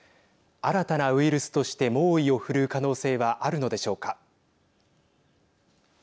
新たなウイルスとして猛威を振るう可能性はあるのでしょうか。